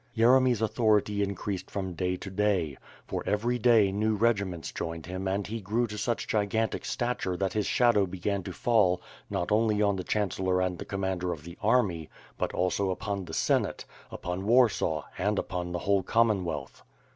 Yeremy's authority increased from day to day. For every day new regiments joined him and he grew to such gigantic stature that his shadow began to fall, not only on the chaii > ^lO WITH FIRE AND SWORD. cellor and the Commander of the army, hut also upon the Senate^ upon Warsaw and upon the whole Commonwealth.